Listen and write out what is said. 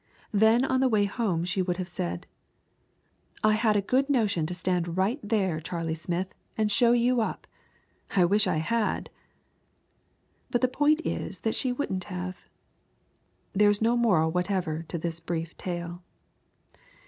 Then on the way home she would have said: "I had a good notion to stand right there, Charlie Smith, and show you up. I wish I had." But the point is that she wouldn't have. There is no moral whatever to this brief tale.